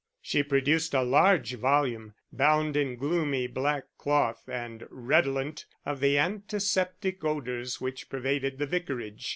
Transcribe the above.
She produced a large volume, bound in gloomy black cloth, and redolent of the antiseptic odours which pervaded the Vicarage.